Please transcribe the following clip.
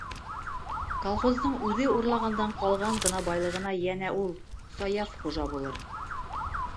Колхоздың үҙе урлағандан ҡалған ғына байлығына йәнә, ул, Саяф, хужа булыр.